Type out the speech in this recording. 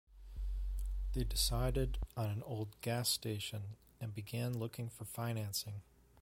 They decided on an old gas station and began looking for financing.